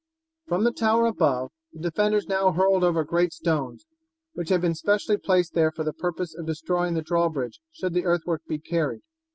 From the tower above, the defenders now hurled over great stones, which had been specially placed there for the purpose of destroying the drawbridge should the earthwork be carried.